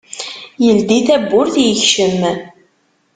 Yeldi tawwurt yekcem.